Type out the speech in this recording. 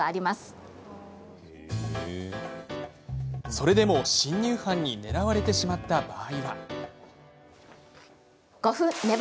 それでも、侵入犯に狙われてしまった場合は？